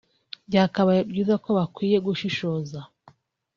Byakabaye byiza ko bakwiye gushishoza